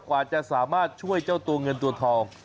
กว่าจะสามารถช่วยเจ้าตัวเงินตัวทอง